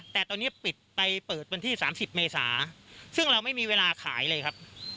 แต่ตอนนี้ปิดไปเปิดวันที่๓๐เมษาซึ่งเราไม่มีเวลาขายเลยครับ